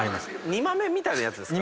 煮豆みたいなやつですか？